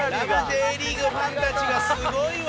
Ｊリーグ』ファンたちがすごいわ。